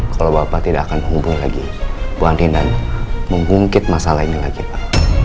kalau bapak tidak akan menghubungi lagi bu andin dan menggungkit masalah ini lagi pak